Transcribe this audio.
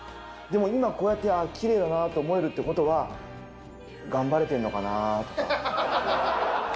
でも今こうやってきれいだなと思えるってことは頑張れてんのかなとか。